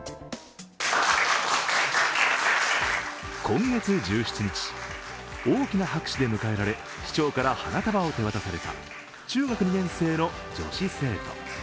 今月１７日、大きな拍手で迎えられ市長から花束を手渡された中学２年生の女子生徒。